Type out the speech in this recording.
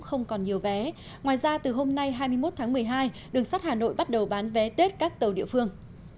không còn nhiều vé ngoài ra từ hôm nay hai mươi một tháng một mươi hai đường sắt hà nội bắt đầu bán vé tết các tàu địa phương